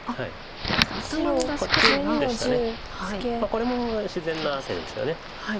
これも自然な手ですよね。